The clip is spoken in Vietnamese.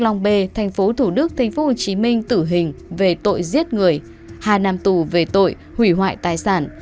nguyễn hữu phước long b tp hcm tử hình về tội giết người hà nam tù về tội hủy hoại tài sản